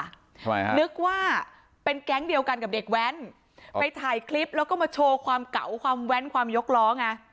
ทำไมฮะนึกว่าเป็นแก๊งเดียวกันกับเด็กแว้นไปถ่ายคลิปแล้วก็มาโชว์ความเก่าความแว้นความยกล้อไง